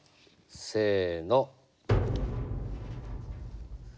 せの。